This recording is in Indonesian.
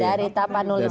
dari tapanulis selatan